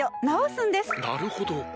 なるほど！